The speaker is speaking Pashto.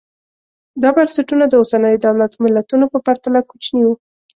دا بنسټونه د اوسنیو دولت ملتونو په پرتله کوچني وو